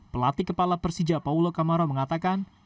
pelatih kepala persija paulo kamaro mengatakan